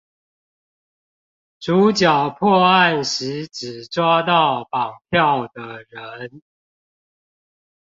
主角破案時只抓到綁票的人